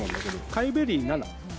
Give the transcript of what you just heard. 甲斐ベリー７。